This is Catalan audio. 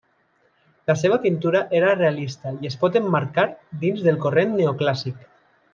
La seva pintura era realista i es pot emmarcar dins el corrent neoclàssic.